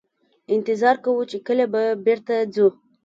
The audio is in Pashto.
انتظار کوو چې کله به بیرته ځو.